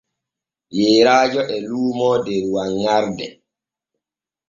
Yeeraajo e luumoo der wanŋarde.